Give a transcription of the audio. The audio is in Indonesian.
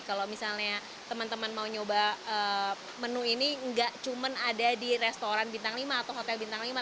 kalau misalnya teman teman mau nyoba menu ini nggak cuma ada di restoran bintang lima atau hotel bintang lima